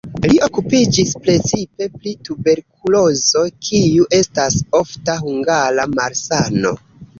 Li okupiĝis precipe pri tuberkulozo, kiu estas ofta hungara malsano.